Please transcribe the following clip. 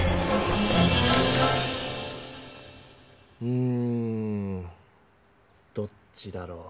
うんどっちだろう。